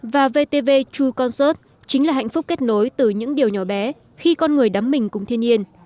và vtv true concert chính là hạnh phúc kết nối từ những điều nhỏ bé khi con người đắm mình cùng thiên nhiên